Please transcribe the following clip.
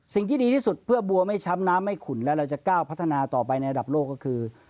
สิ่งที่ดีที่สุดเพื่อบัวไม่ช้ำน้ำไม่ขุ่นและเราจะก้าวพัฒนาต่อไปในระดับโลกก็คือ